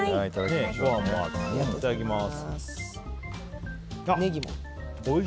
いただきます。